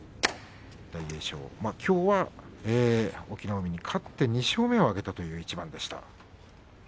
大栄翔、きょうは隠岐の海に勝って２勝目を挙げたという一番でした。